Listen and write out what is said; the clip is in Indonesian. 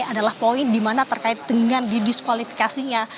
adalah poin dimana terkait dengan didiskualifikasinya